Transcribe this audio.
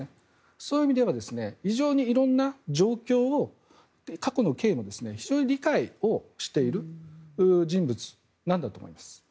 そういう意味では非常に色んな状況を過去の経緯も非常に理解している人物なんだと思います。